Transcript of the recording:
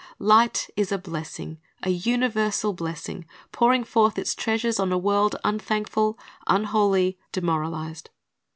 Light is a blessing, a universal blessing, pouring forth its treasures on a world unthankful, unholy, demoralized.